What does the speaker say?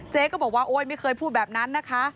เจ๊ก็บอกว่าโอ๊ยไม่เคยพูดแบบนั้นนะคะ